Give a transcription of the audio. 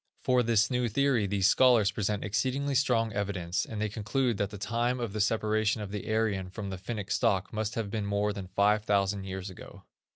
For this new theory these scholars present exceedingly strong evidence, and they conclude that the time of the separation of the Aryan from the Finnic stock must have been more than five thousand years ago.